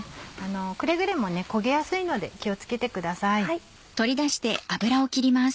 くれぐれもね焦げやすいので気を付けてください。